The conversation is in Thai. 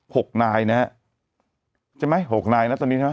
หกนายนะฮะใช่ไหมหกนายนะตอนนี้ใช่ไหม